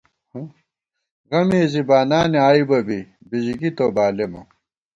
غمےزی بانانےآئیبہ بی، بِژِکی تو بالېمہ